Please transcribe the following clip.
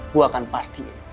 gua akan pasti